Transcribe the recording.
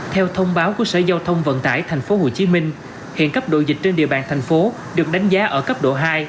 theo thông báo của sở giao thông vận tải tp hcm hiện cấp độ dịch trên địa bàn thành phố được đánh giá ở cấp độ hai